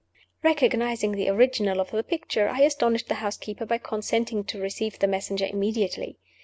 Recognizing the original of the picture, I astonished the housekeeper by consenting to receive the messenger immediately.